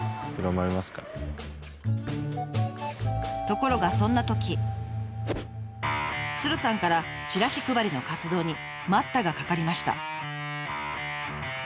ところがそんなとき鶴さんからチラシ配りの活動に待ったがかかりました。